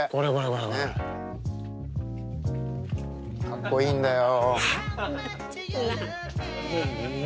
かっこいいんだよ。